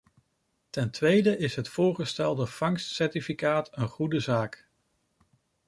Ten tweede is het voorgestelde vangstcertificaat een goede zaak.